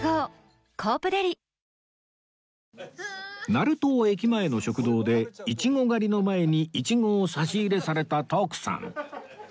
成東駅前の食堂でイチゴ狩りの前にイチゴを差し入れされた徳さん